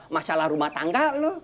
masalah rumah tangga lu